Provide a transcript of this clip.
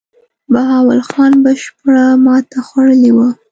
بهاول خان بشپړه ماته خوړلې وه.